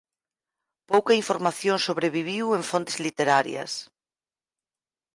Pouca información sobreviviu en fontes literarias.